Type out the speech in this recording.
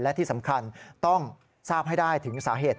และที่สำคัญต้องทราบให้ได้ถึงสาเหตุ